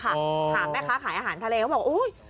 ถามแม่ค้าขายอาหารทะเลเขาบอกอุ๊ย